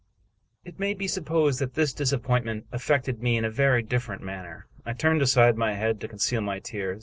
It may be supposed that this disappointment affected me in a very different manner. I turned aside my head to con ceal my tears.